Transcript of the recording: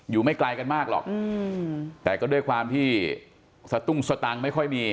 ไม่ไกลกันมากหรอกแต่ก็ด้วยความที่สตุ้งสตังค์ไม่ค่อยมี